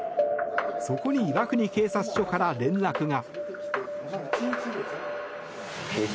そこに岩国警察署から連絡が。